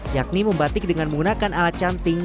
yakni membatik dengan menggunakan alat canting